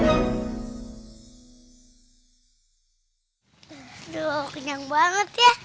aduh kenyang banget ya